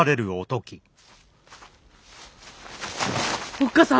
おっかさん？